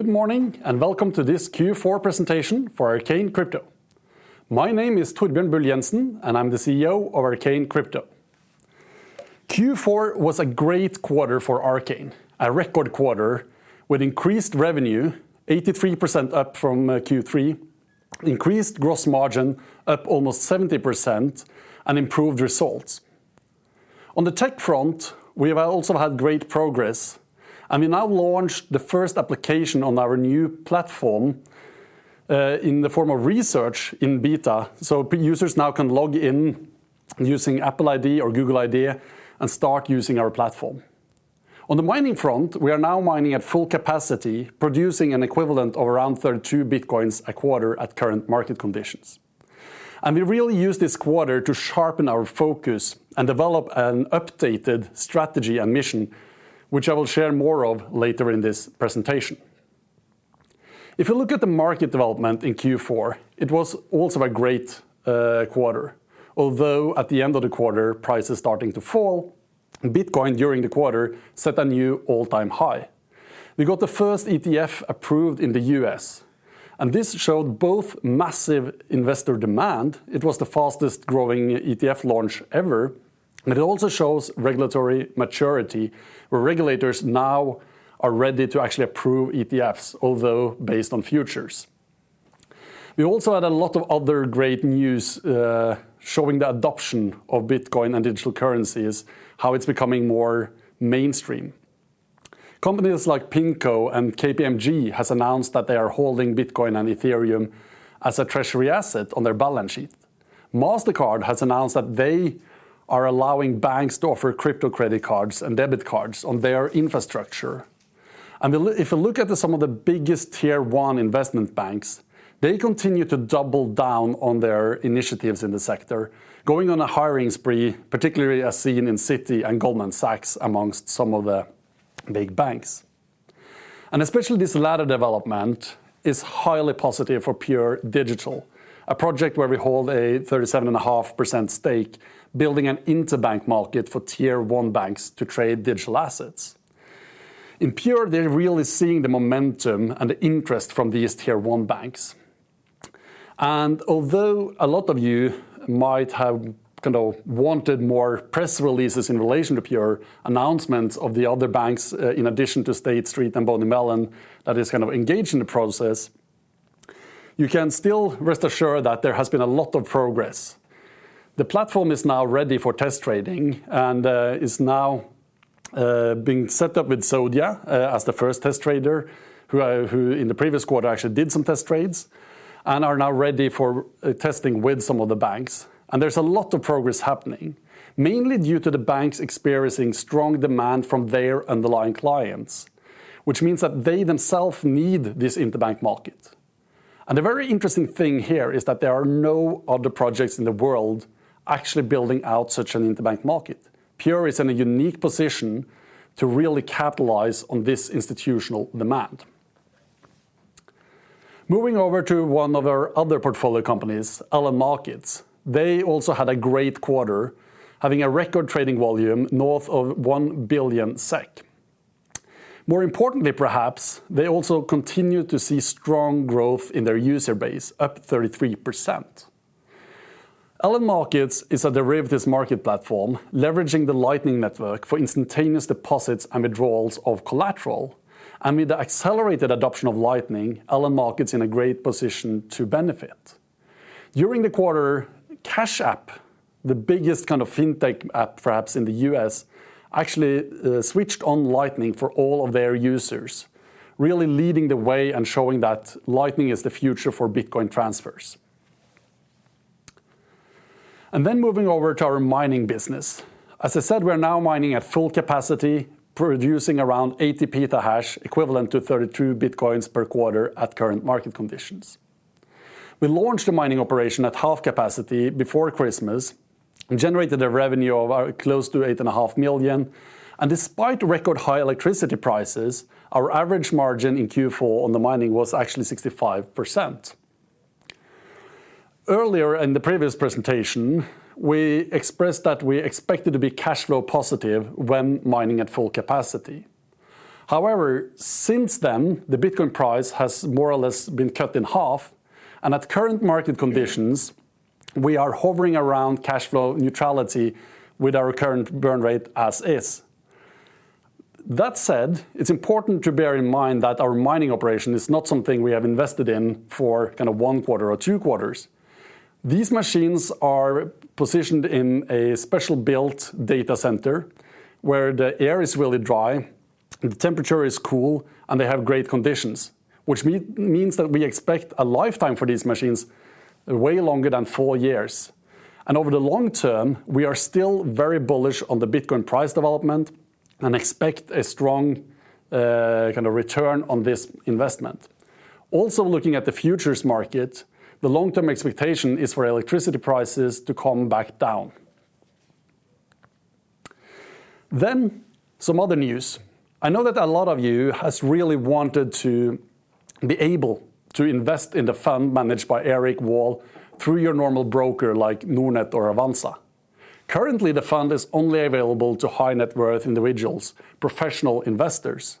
Good morning and welcome to this Q4 presentation for K33. My name is Torbjørn Bull Jenssen, and I'm the CEO of K33. Q4 was a great quarter for K33. A record quarter with increased revenue, 83% up from Q3, increased gross margin up almost 70%, and improved results. On the tech front, we have also had great progress, and we now launched the first application on our new platform in the form of research in beta, so users now can log in using Apple ID or Google ID and start using our platform. On the mining front, we are now mining at full capacity, producing an equivalent of around 32 bitcoins a quarter at current market conditions. We really used this quarter to sharpen our focus and develop an updated strategy and mission, which I will share more of later in this presentation. If you look at the market development in Q4, it was also a great quarter. Although at the end of the quarter, prices starting to fall, Bitcoin during the quarter set a new all-time high. We got the first ETF approved in the U.S., and this showed both massive investor demand. It was the fastest-growing ETF launch ever, but it also shows regulatory maturity, where regulators now are ready to actually approve ETFs, although based on futures. We also had a lot of other great news, showing the adoption of Bitcoin and digital currencies, how it's becoming more mainstream. Companies like PIMCO and KPMG has announced that they are holding Bitcoin and Ethereum as a treasury asset on their balance sheet. Mastercard has announced that they are allowing banks to offer crypto credit cards and debit cards on their infrastructure. If you look at some of the biggest tier one investment banks, they continue to double down on their initiatives in the sector, going on a hiring spree, particularly as seen in Citi and Goldman Sachs amongst some of the big banks. Especially this latter development is highly positive for Pure Digital, a project where we hold a 37.5% stake, building an interbank market for tier one banks to trade digital assets. In Pure, they're really seeing the momentum and the interest from these tier one banks. Although a lot of you might have kind of wanted more press releases in relation to Pure announcements of the other banks, in addition to State Street and BNY Mellon that is kind of engaged in the process, you can still rest assured that there has been a lot of progress. The platform is now ready for test trading and, is now, being set up with Zodia as the first test trader, who in the previous quarter actually did some test trades and are now ready for testing with some of the banks. There's a lot of progress happening, mainly due to the banks experiencing strong demand from their underlying clients, which means that they themselves need this interbank market. The very interesting thing here is that there are no other projects in the world actually building out such an interbank market. Pure is in a unique position to really capitalize on this institutional demand. Moving over to one of our other portfolio companies, LN Markets. They also had a great quarter, having a record trading volume north of 1 billion SEK. More importantly perhaps, they also continue to see strong growth in their user base, up 33%. LN Markets is a derivatives market platform leveraging the Lightning Network for instantaneous deposits and withdrawals of collateral. With the accelerated adoption of Lightning, LN Markets is in a great position to benefit. During the quarter, Cash App, the biggest kind of fintech app perhaps in the U.S., actually switched on Lightning for all of their users, really leading the way and showing that Lightning is the future for Bitcoin transfers. Then moving over to our mining business. As I said, we're now mining at full capacity, producing around 80 petahash, equivalent to 32 bitcoins per quarter at current market conditions. We launched a mining operation at half capacity before Christmas and generated a revenue of close to 8.5 million. Despite record high electricity prices, our average margin in Q4 on the mining was actually 65%. Earlier in the previous presentation, we expressed that we expected to be cash flow positive when mining at full capacity. However, since then, the Bitcoin price has more or less been cut in half. At current market conditions, we are hovering around cash flow neutrality with our current burn rate as is. That said, it's important to bear in mind that our mining operation is not something we have invested in for kind of one quarter or two quarters. These machines are positioned in a special-built data center where the air is really dry, the temperature is cool, and they have great conditions, which means that we expect a lifetime for these machines way longer than four years. Over the long term, we are still very bullish on the Bitcoin price development and expect a strong kind of return on this investment. Also, looking at the futures market, the long-term expectation is for electricity prices to come back down. Some other news. I know that a lot of you has really wanted to be able to invest in the fund managed by Eric Wall through your normal broker like Nordnet or Avanza. Currently, the fund is only available to high net worth individuals, professional investors.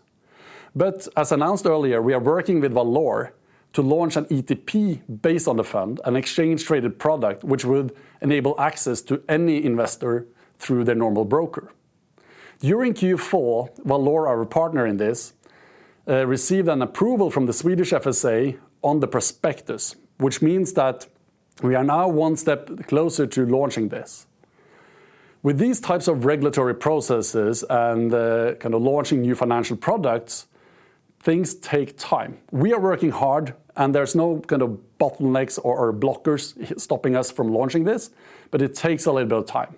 As announced earlier, we are working with Valour to launch an ETP based on the fund, an exchange-traded product which would enable access to any investor through their normal broker. During Q4, Valour, our partner in this, received an approval from the Swedish FSA on the prospectus, which means that we are now one step closer to launching this. With these types of regulatory processes and kinda launching new financial products, things take time. We are working hard, and there's no kind of bottlenecks or blockers stopping us from launching this, but it takes a little bit of time.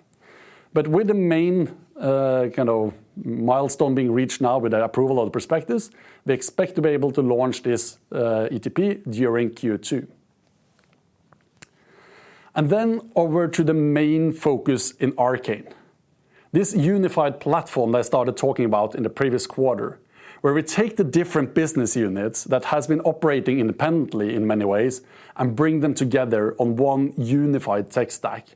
With the main kind of milestone being reached now with the approval of the prospectus, we expect to be able to launch this ETP during Q2. Then over to the main focus in Arcane. This unified platform that I started talking about in the previous quarter, where we take the different business units that has been operating independently in many ways and bring them together on one unified tech stack,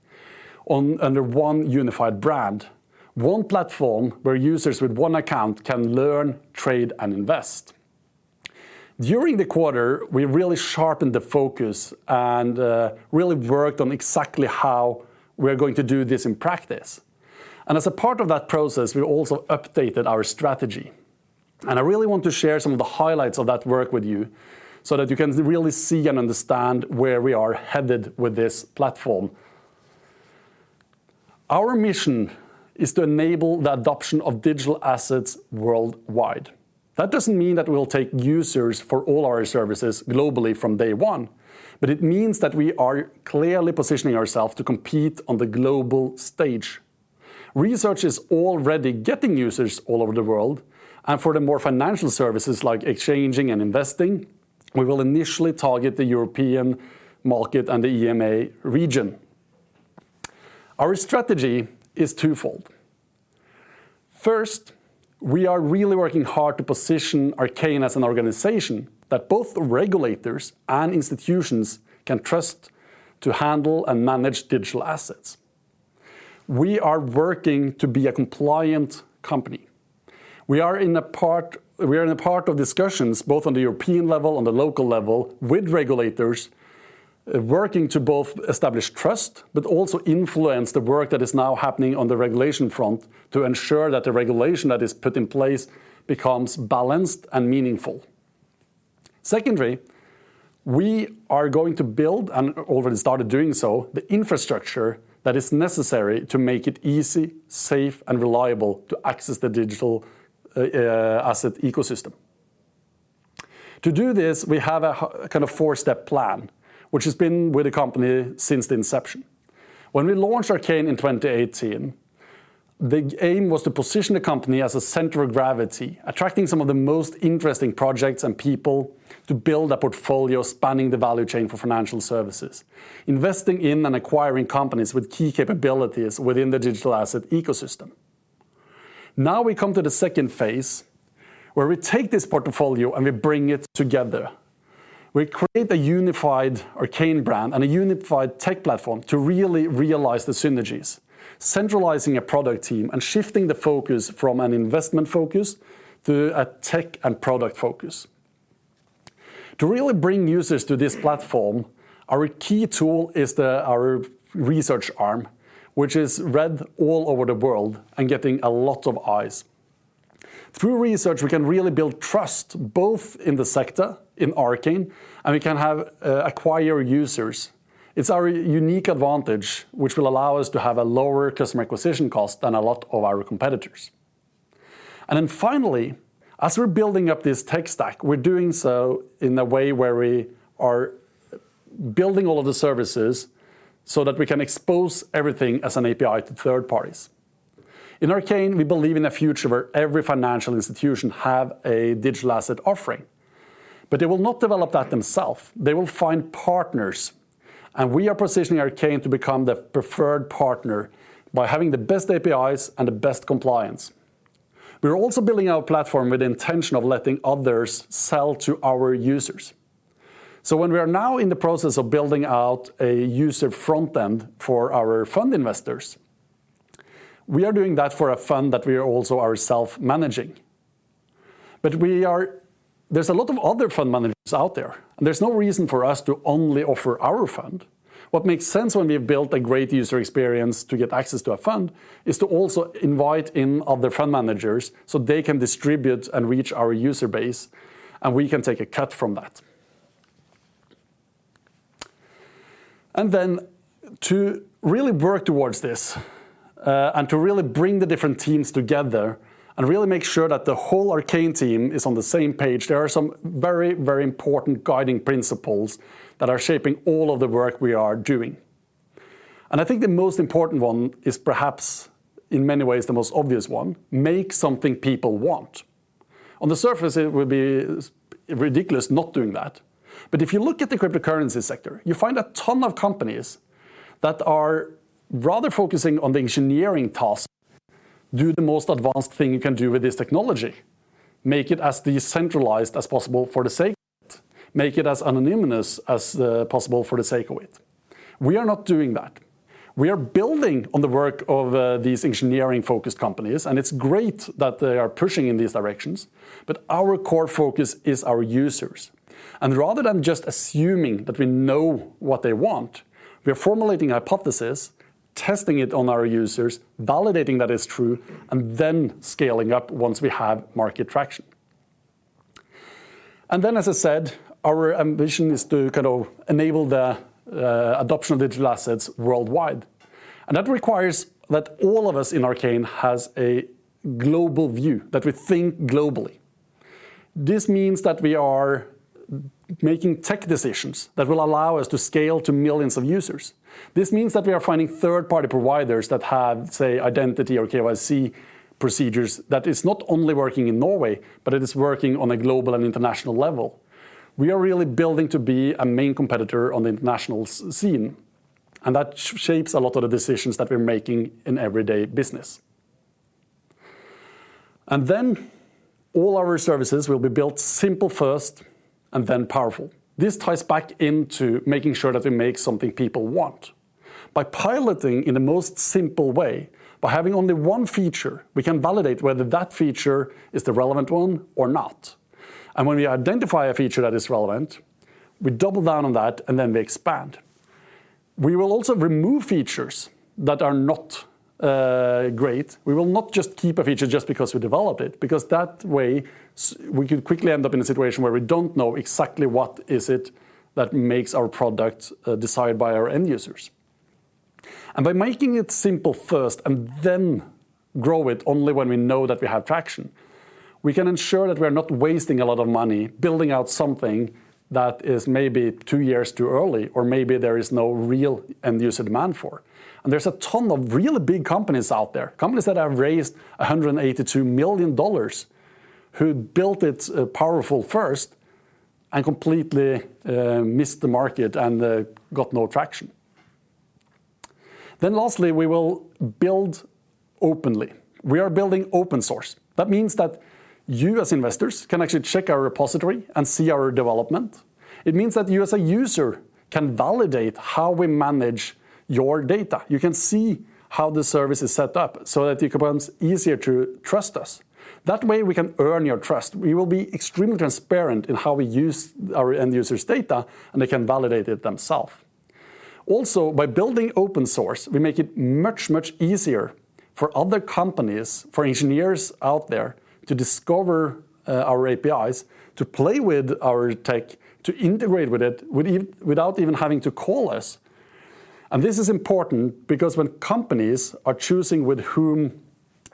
under one unified brand, one platform where users with one account can learn, trade, and invest. During the quarter, we really sharpened the focus and really worked on exactly how we're going to do this in practice. As a part of that process, we also updated our strategy. I really want to share some of the highlights of that work with you so that you can really see and understand where we are headed with this platform. Our mission is to enable the adoption of digital assets worldwide. That doesn't mean that we'll take users for all our services globally from day one, but it means that we are clearly positioning ourselves to compete on the global stage. Research is already getting users all over the world, and for the more financial services like exchanging and investing, we will initially target the European market and the EEA region. Our strategy is twofold. First, we are really working hard to position Arcane as an organization that both the regulators and institutions can trust to handle and manage digital assets. We are working to be a compliant company. We are in a part of discussions, both on the European level and the local level, with regulators working to both establish trust but also influence the work that is now happening on the regulation front to ensure that the regulation that is put in place becomes balanced and meaningful. Secondly, we are going to build, and already started doing so, the infrastructure that is necessary to make it easy, safe, and reliable to access the digital asset ecosystem. To do this, we have a kinda four-step plan, which has been with the company since the inception. When we launched Arcane in 2018, the aim was to position the company as a center of gravity, attracting some of the most interesting projects and people to build a portfolio spanning the value chain for financial services, investing in and acquiring companies with key capabilities within the digital asset ecosystem. Now we come to the second phase, where we take this portfolio, and we bring it together. We create a unified Arcane brand and a unified tech platform to really realize the synergies, centralizing a product team and shifting the focus from an investment focus to a tech and product focus. To really bring users to this platform, our key tool is our research arm, which is read all over the world and getting a lot of eyes. Through research, we can really build trust both in the sector, in Arcane, and we can acquire users. It's our unique advantage which will allow us to have a lower customer acquisition cost than a lot of our competitors. Finally, as we're building up this tech stack, we're doing so in a way where we are building all of the services so that we can expose everything as an API to third parties. In Arcane, we believe in a future where every financial institution have a digital asset offering. They will not develop that themselves. They will find partners, and we are positioning Arcane to become the preferred partner by having the best APIs and the best compliance. We're also building our platform with the intention of letting others sell to our users. When we are now in the process of building out a user front end for our fund investors, we are doing that for a fund that we are also ourself managing. There's a lot of other fund managers out there, and there's no reason for us to only offer our fund. What makes sense when we've built a great user experience to get access to a fund is to also invite in other fund managers, so they can distribute and reach our user base, and we can take a cut from that. Then to really work towards this, and to really bring the different teams together and really make sure that the whole Arcane team is on the same page, there are some very, very important guiding principles that are shaping all of the work we are doing. I think the most important one is perhaps in many ways the most obvious one. Make something people want. On the surface, it would be ridiculous not doing that. If you look at the cryptocurrency sector, you find a ton of companies that are rather focusing on the engineering tasks. Do the most advanced thing you can do with this technology. Make it as decentralized as possible for the sake of it. Make it as anonymous as possible for the sake of it. We are not doing that. We are building on the work of these engineering-focused companies, and it's great that they are pushing in these directions, but our core focus is our users. Rather than just assuming that we know what they want, we are formulating a hypothesis, testing it on our users, validating that it's true, and then scaling up once we have market traction. As I said, our ambition is to kind of enable the adoption of digital assets worldwide. That requires that all of us in Arcane has a global view, that we think globally. This means that we are making tech decisions that will allow us to scale to millions of users. This means that we are finding third-party providers that have, say, identity or KYC procedures that is not only working in Norway, but it is working on a global and international level. We are really building to be a main competitor on the international scene, and that shapes a lot of the decisions that we're making in everyday business. Then all our services will be built simple first and then powerful. This ties back into making sure that we make something people want. By piloting in the most simple way, by having only one feature, we can validate whether that feature is the relevant one or not. When we identify a feature that is relevant, we double down on that, and then we expand. We will also remove features that are not great. We will not just keep a feature just because we developed it, because that way we could quickly end up in a situation where we don't know exactly what is it that makes our product desired by our end users. By making it simple first and then grow it only when we know that we have traction, we can ensure that we're not wasting a lot of money building out something that is maybe two years too early or maybe there is no real end user demand for. There's a ton of really big companies out there, companies that have raised $182 million who built it powerfully first and completely missed the market and got no traction. Lastly, we will build openly. We are building open source. That means that you as investors can actually check our repository and see our development. It means that you as a user can validate how we manage your data. You can see how the service is set up so that it becomes easier to trust us. That way, we can earn your trust. We will be extremely transparent in how we use our end users' data, and they can validate it themselves. Also, by building open source, we make it much, much easier for other companies, for engineers out there to discover, our APIs, to play with our tech, to integrate with it, without even having to call us. This is important because when companies are choosing with whom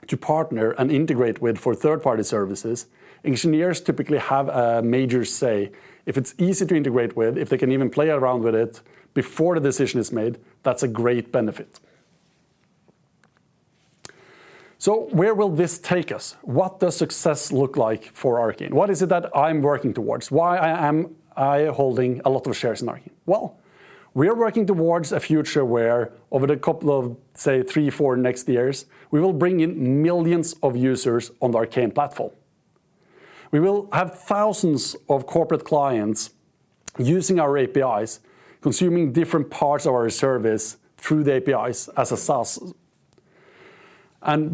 to partner and integrate with for third-party services, engineers typically have a major say. If it's easy to integrate with, if they can even play around with it before the decision is made, that's a great benefit. Where will this take us? What does success look like for Arcane? What is it that I'm working towards? Why am I holding a lot of shares in Arcane? We are working towards a future where over the couple of, say, three, four next years, we will bring in millions of users on the Arcane platform. We will have thousands of corporate clients using our APIs, consuming different parts of our service through the APIs as a SaaS.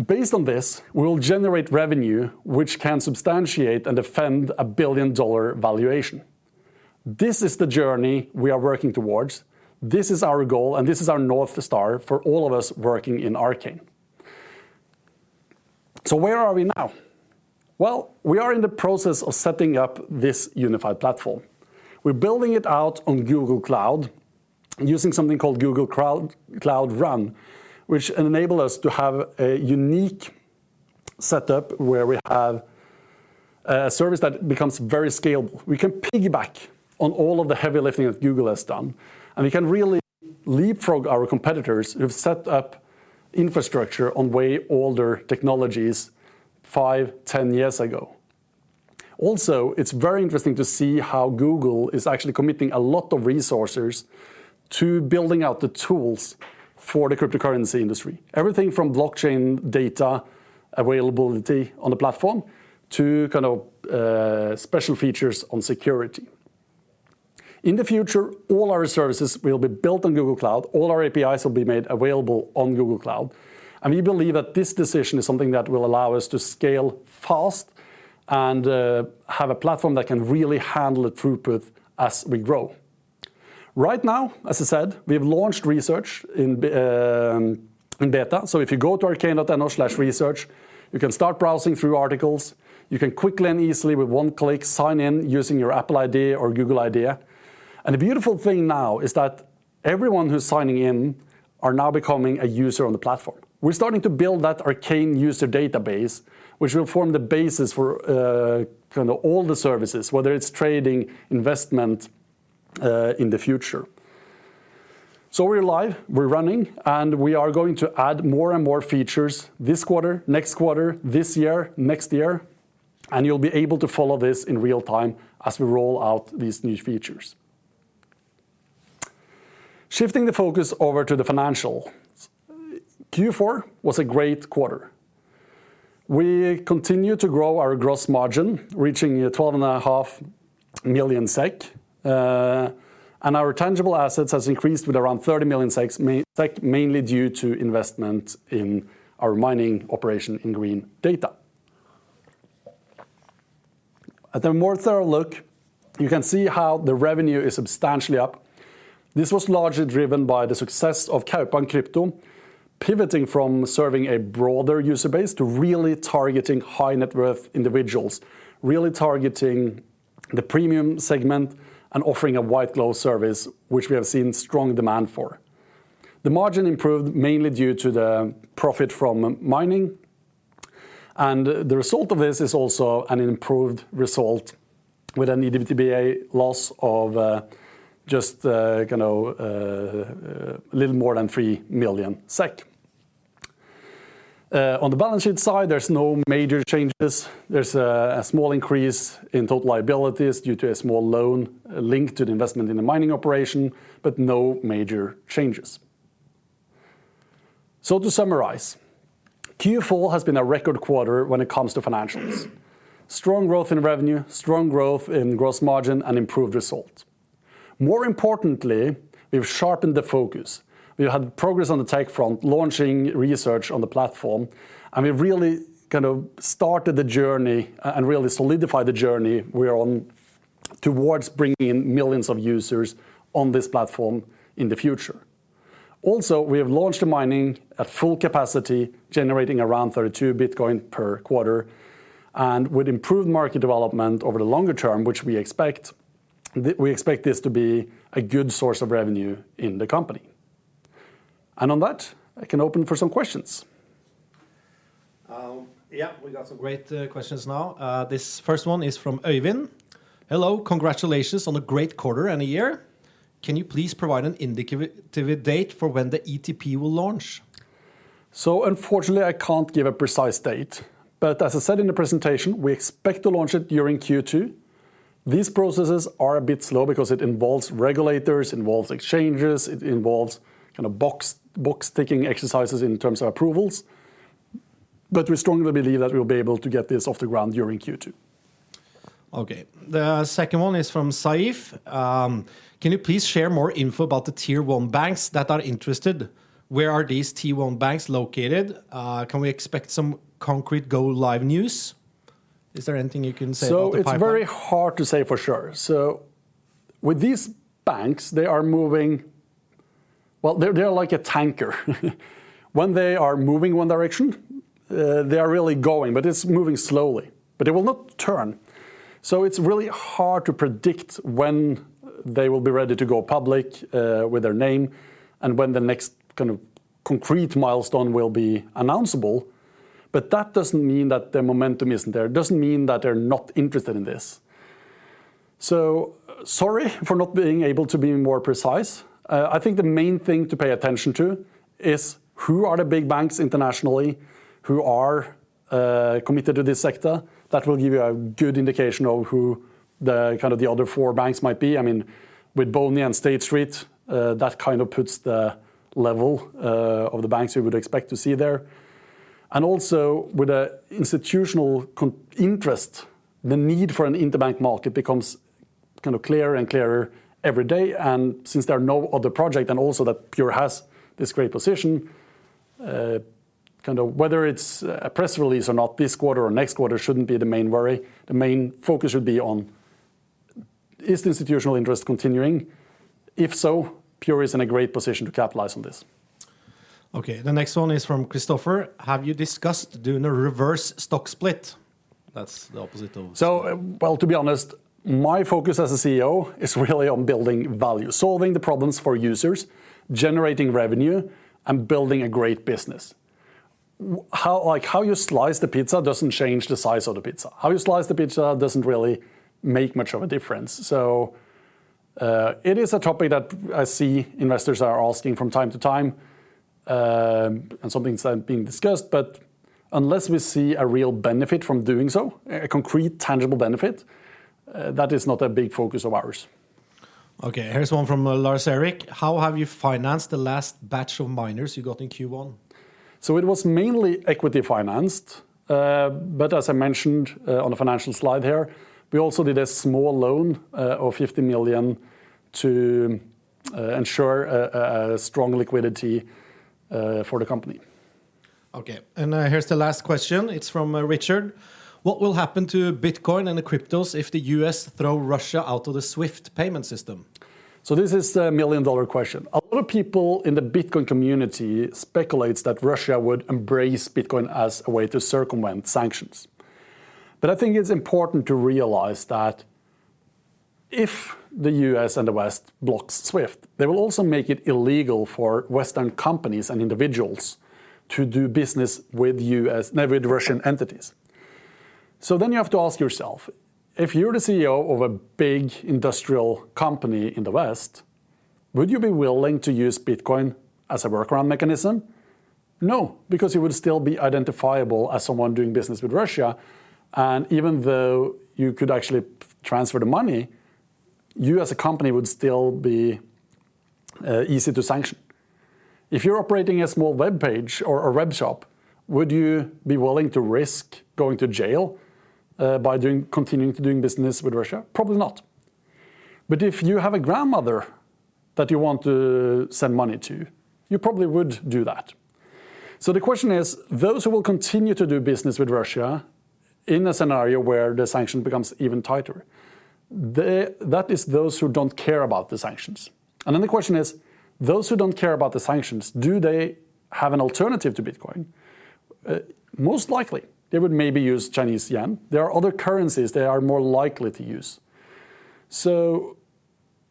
Based on this, we will generate revenue which can substantiate and defend a billion-dollar valuation. This is the journey we are working towards. This is our goal, and this is our North Star for all of us working in Arcane. Where are we now? We are in the process of setting up this unified platform. We're building it out on Google Cloud using something called Google Cloud Run, which enable us to have a unique setup where we have a service that becomes very scalable. We can piggyback on all of the heavy lifting that Google has done, and we can really leapfrog our competitors who've set up infrastructure on way older technologies 5, 10 years ago. It's very interesting to see how Google is actually committing a lot of resources to building out the tools for the cryptocurrency industry. Everything from blockchain data availability on the platform to kind of, special features on security. In the future, all our services will be built on Google Cloud. All our APIs will be made available on Google Cloud. We believe that this decision is something that will allow us to scale fast and, have a platform that can really handle the throughput as we grow. Right now, as I said, we've launched research in beta. If you go to arcane.no/research, you can start browsing through articles. You can quickly and easily with one click sign in using your Apple ID or Google ID. The beautiful thing now is that everyone who's signing in are now becoming a user on the platform. We're starting to build that Arcane user database, which will form the basis for kind of all the services, whether it's trading, investment in the future. We're live, we're running, and we are going to add more and more features this quarter, next quarter, this year, next year, and you'll be able to follow this in real time as we roll out these new features. Shifting the focus over to the financial. Q4 was a great quarter. We continued to grow our gross margin, reaching 12.5 million SEK, and our tangible assets has increased with around 30 million SEK, mainly due to investment in our mining operation in Green Data. At a more thorough look, you can see how the revenue is substantially up. This was largely driven by the success of Kaupang Krypto, pivoting from serving a broader user base to really targeting high net worth individuals, really targeting the premium segment and offering a white glove service, which we have seen strong demand for. The margin improved mainly due to the profit from mining, and the result of this is also an improved result with an EBITDA loss of just a little more than 3 million SEK. On the balance sheet side, there's no major changes. There's a small increase in total liabilities due to a small loan linked to the investment in the mining operation, but no major changes. To summarize, Q4 has been a record quarter when it comes to financials. Strong growth in revenue, strong growth in gross margin and improved results. More importantly, we've sharpened the focus. We had progress on the tech front, launching research on the platform, and we've really kind of started the journey and really solidified the journey we're on towards bringing in millions of users on this platform in the future. We have launched the mining at full capacity, generating around 32 Bitcoin per quarter. With improved market development over the longer term, which we expect, we expect this to be a good source of revenue in the company. On that, I can open for some questions. Yeah, we got some great questions now. This first one is from Owen. Hello. Congratulations on a great quarter and a year. Can you please provide an indicative date for when the ETP will launch? Unfortunately, I can't give a precise date, but as I said in the presentation, we expect to launch it during Q2. These processes are a bit slow because it involves regulators, exchanges, kind of box-ticking exercises in terms of approvals. We strongly believe that we'll be able to get this off the ground during Q2. Okay. The second one is from Saif. Can you please share more info about the tier one banks that are interested? Where are these tier one banks located? Can we expect some concrete go live news? Is there anything you can say about the pipeline? It's very hard to say for sure. With these banks, they are moving. Well, they're like a tanker. When they are moving one direction, they are really going, but it's moving slowly, but it will not turn. It's really hard to predict when they will be ready to go public with their name and when the next kind of concrete milestone will be announceable. That doesn't mean that the momentum isn't there. It doesn't mean that they're not interested in this. Sorry for not being able to be more precise. I think the main thing to pay attention to is who are the big banks internationally who are committed to this sector. That will give you a good indication of who the kind of the other four banks might be. I mean, with BNY Mellon and State Street, that kind of puts the level of the banks you would expect to see there. Also with the institutional interest, the need for an interbank market becomes kind of clearer and clearer every day. Since there are no other project and also that Pure has this great position, kind of whether it's a press release or not this quarter or next quarter shouldn't be the main worry. The main focus should be on is the institutional interest continuing? If so, Pure is in a great position to capitalize on this. Okay, the next one is from Christopher. Have you discussed doing a reverse stock split? Well, to be honest, my focus as a CEO is really on building value, solving the problems for users, generating revenue, and building a great business. How you slice the pizza doesn't change the size of the pizza. How you slice the pizza doesn't really make much of a difference. It is a topic that I see investors are asking from time to time, and something that's being discussed. Unless we see a real benefit from doing so, a concrete, tangible benefit, that is not a big focus of ours. Okay, here's one from Lars Erik. How have you financed the last batch of miners you got in Q1? It was mainly equity financed. As I mentioned, on the financial slide here, we also did a small loan of 50 million to ensure a strong liquidity for the company. Okay. Here's the last question. It's from Richard. What will happen to Bitcoin and the cryptos if the U.S. throw Russia out of the SWIFT payment system? This is the million-dollar question. A lot of people in the Bitcoin community speculates that Russia would embrace Bitcoin as a way to circumvent sanctions. I think it's important to realize that if the U.S. and the West blocks SWIFT, they will also make it illegal for Western companies and individuals to do business with Russian entities. Then you have to ask yourself, if you're the CEO of a big industrial company in the West, would you be willing to use Bitcoin as a workaround mechanism? No, because you would still be identifiable as someone doing business with Russia. Even though you could actually transfer the money, you as a company would still be easy to sanction. If you're operating a small web page or a web shop, would you be willing to risk going to jail by continuing to doing business with Russia? Probably not. If you have a grandmother that you want to send money to, you probably would do that. The question is, those who will continue to do business with Russia in a scenario where the sanction becomes even tighter, that is those who don't care about the sanctions. The question is, those who don't care about the sanctions, do they have an alternative to Bitcoin? Most likely, they would maybe use Chinese yen. There are other currencies they are more likely to use.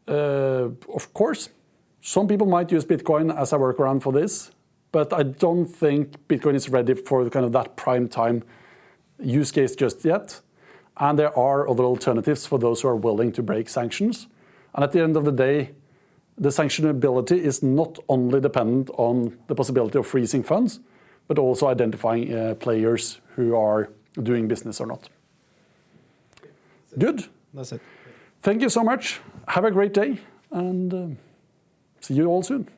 Of course, some people might use Bitcoin as a workaround for this, but I don't think Bitcoin is ready for kind of that prime time use case just yet, and there are other alternatives for those who are willing to break sanctions. At the end of the day, the sanctionability is not only dependent on the possibility of freezing funds, but also identifying players who are doing business or not. Good? That's it. Thank you so much. Have a great day, and see you all soon.